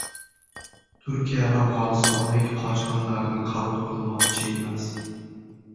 Turkiya afg‘onistonlik qochqinlarni qabul qilmoqchi emas